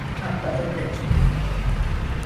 Aptalın teki.